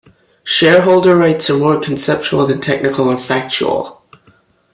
Shareholder rights are more conceptual than technical or factual.